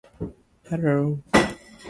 Hello